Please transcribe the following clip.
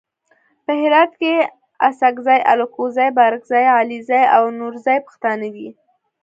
په هرات کې اڅګزي الکوزي بارګزي علیزي او نورزي پښتانه دي.